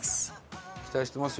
期待してますよ